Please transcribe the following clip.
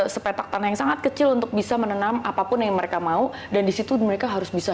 sepetak tanah yang sangat kecil untuk bisa menanam apapun yang mereka mau dan disitu mereka harus bisa